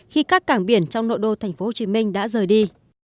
khi các cảng biển trong nội đô tp hcm đã rời đi